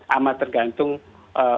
amat tergantung ukuran